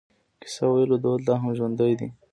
د کیسه ویلو دود لا هم ژوندی دی.